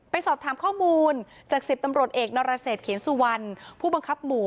สอบถามข้อมูลจาก๑๐ตำรวจเอกนรเศษเขียนสุวรรณผู้บังคับหมู่